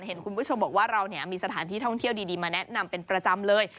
เห็นคุณผู้ชมบอกว่าเรามีสถานที่ท่องเที่ยวดีมาแนะนำเป็นประจำเลย